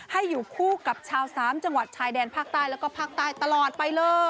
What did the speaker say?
ให้อยู่คู่กับชาวสามจังหวัดชายแดนภาคใต้แล้วก็ภาคใต้ตลอดไปเลย